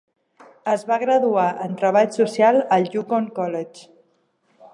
Es va graduar en Treball Social al Yukon College.